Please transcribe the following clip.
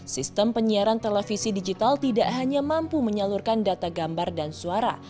sistem penyiaran televisi digital tidak hanya mampu menyalurkan data gambar dan suara